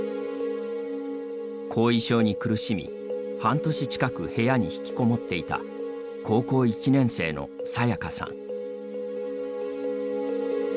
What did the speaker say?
後遺症に苦しみ、半年近く部屋に引きこもっていた高校１年生のさやかさん。